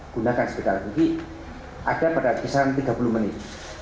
gunakan sekitar lagi ada pada kisaran tiga puluh menit